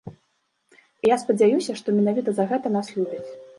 І я спадзяюся, што менавіта за гэта нас любяць.